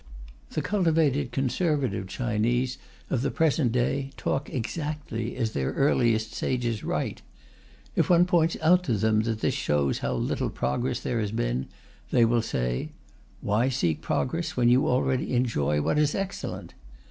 The cultivated conservative Chinese of the present day talk exactly as their earliest sages write. If one points out to them that this shows how little progress there has been, they will say: "Why seek progress when you already enjoy what is excellent?"